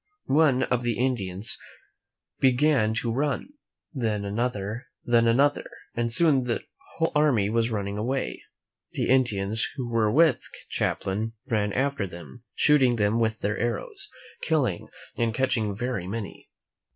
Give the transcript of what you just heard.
One of the Indians began to run, then another, then another, and soon their whole army was running away. The Indians who were with Champlain ran after them, shooting them with their arrows, killing and catching very many.